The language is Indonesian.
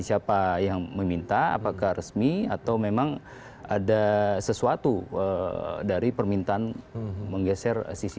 siapa yang meminta apakah resmi atau memang ada sesuatu dari permintaan menggeser cctv